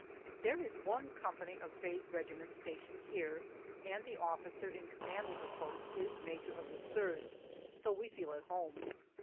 There is one company of Faye's regiment stationed here, and the officer in command of the post is major of the Third, so we feel at home.